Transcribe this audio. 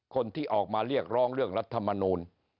คนที่ออกมาเรียกร้องเรื่องรัฐมนูล